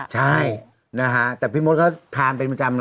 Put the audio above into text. ใช่นะฮะแต่พี่มดเขาทานเป็นประจำเน